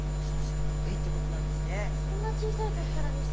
そんな小さい時からですか？